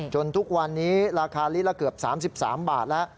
ทุกวันนี้ราคาลิตรละเกือบ๓๓บาทแล้ว